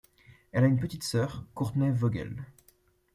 Elle a une petite sœur Courtney Voegele.